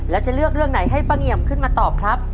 แล้วจะเลือกเรื่องไหนให้ป้าเงี่ยมขึ้นมาตอบครับ